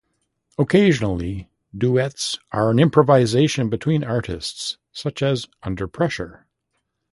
Occasionally duets are an improvisation between artists, such as "Under Pressure".